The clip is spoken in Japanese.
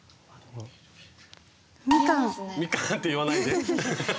みかんって言わないで。